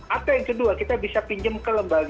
atau yang kedua kita bisa pinjam ke lembaga